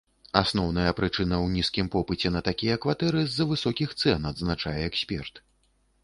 Асноўная прычына ў нізкім попыце на такія кватэры з-за высокіх цэн, адзначае эксперт.